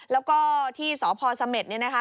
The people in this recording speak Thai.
แล้วก็ที่สพเสม็ดนี้นะคะ